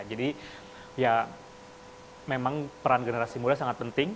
jadi ya memang peran generasi muda sangat penting